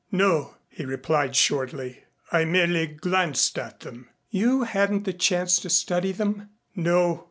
"No," he replied shortly. "I merely glanced at them." "You hadn't the chance to study them?" "No."